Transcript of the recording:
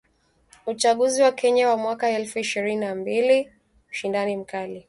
Uchaguzi wa Kenya wa mwaka elfu mbili ishirini na mbili: ushindani mkali.